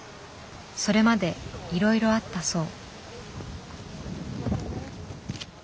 それまでいろいろあったそう。